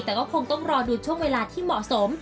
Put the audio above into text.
แต่ก็คงต้องรอดูช่วงเวลาที่เหมาะสม